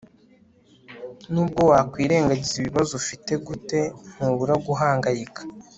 nubwo wakwirengagiza ibibazo ufite gute, ntubura guhangayika